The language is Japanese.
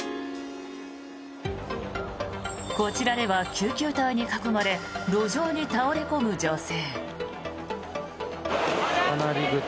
こちらでは救急隊に囲まれ路上に倒れ込む女性。